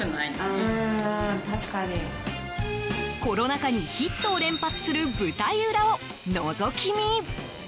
コロナ禍にヒットを連発する舞台裏をのぞき見。